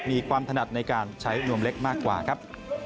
ถนัดในการใช้นวมเล็กมากกว่าครับ